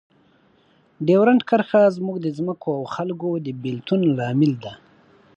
ډیورنډ کرښه زموږ د ځمکو او خلکو د بیلتون لامل ده.